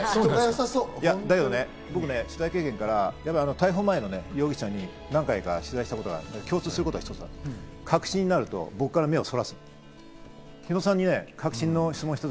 僕、取材経験から逮捕前の容疑者を何度か取材したことがあって共通すること、確信があると僕から目をそらす。